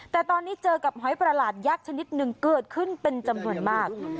แต่ตอนนี้เจอกับหอยประหลาดยักษ์ชนิดหนึ่งเกิดขึ้นเป็นจำนวนมาก